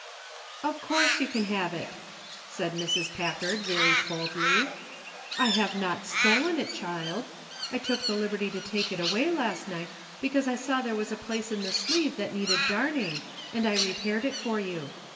''Of course you can have it," said Mrs. Packard, very coldly. ''I have not stolen it, child ! I took the liberty to take it away last night, because I saw there was a place in the sleeve that needed darning, and I repaired it for you.